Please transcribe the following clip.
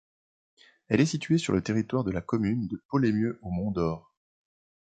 Elle est située sur le territoire de la commune de Poleymieux-au-Mont-d'Or.